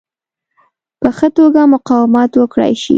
په ښه توګه مقاومت وکړای شي.